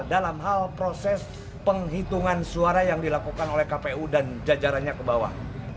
dalam hal proses penghitungan suara yang dilakukan oleh kpu dan jajarannya ke bawah